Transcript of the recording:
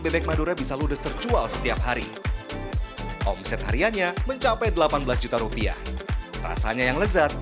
bebek madura bisa ludes terjual setiap hari omset hariannya mencapai delapan belas juta rupiah rasanya yang lezat